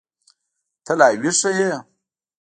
ته لا ويښه يې.